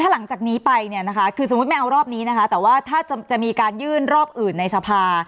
ถ้าหลังจากนี้ไปถ้าจะมีการยื่นรอบอื่นในสภา